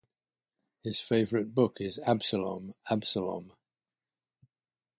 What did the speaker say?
His favorite book is Absalom, Absalom!